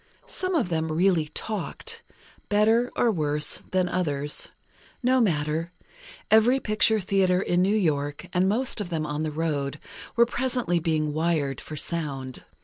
Some of them really talked—better, or worse, than others. No matter; every picture theatre in New York, and most of them on the road, were presently being "wired for sound."